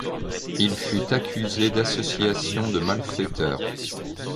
Il fut accusé d'association de malfaiteurs.